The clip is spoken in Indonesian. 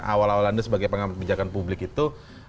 awal awal anda sebagai pengamat pinjakan publik itu